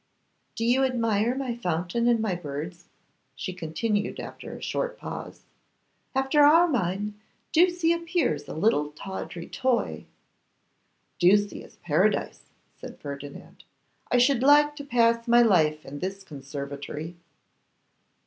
'Do you admire my fountain and my birds?' she continued, after a short pause. 'After Armine, Ducie appears a little tawdry toy.' 'Ducie is Paradise,' said Ferdinand. 'I should like to pass my life in this conservatory.